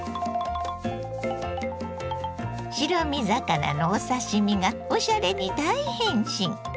白身魚のお刺身がおしゃれに大変身。